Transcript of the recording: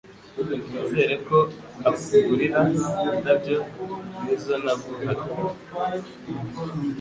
Nizere ko akugurira indabyo nkizonaguhaga